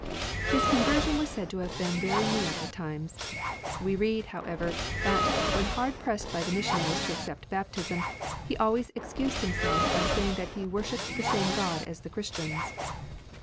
His conversion was said to have been very near at times ; we read, however, that, when hard pressed by the missionaries to accept baptism, "he always excused himself by saying that he worshipped the same God as the Christians."